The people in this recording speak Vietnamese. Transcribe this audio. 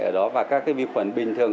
ở đó và các vi khuẩn bình thường